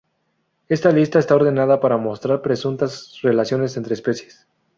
Esta lista está ordenada para mostrar presuntas relaciones entre especies.